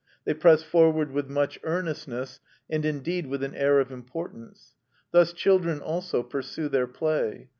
They press forward with much earnestness, and indeed with an air of importance; thus children also pursue their play.